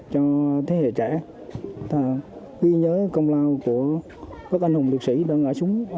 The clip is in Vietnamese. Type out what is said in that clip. cho thế hệ trẻ ghi nhớ công lao của các anh hùng liệt sĩ đang ở xuống